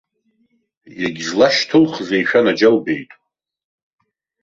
Иагьзлашьҭылхзеи, шәанаџьалбеит!